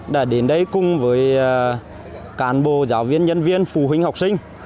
đã đến đây cùng với cán bộ giáo viên nhân viên phụ huynh học sinh